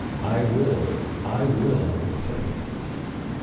I will! I will!' it says.